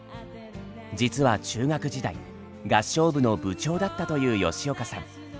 実は中学時代合唱部の部長だったという吉岡さん。